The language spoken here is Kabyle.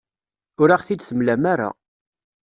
Ur aɣ-t-id-temlam ara.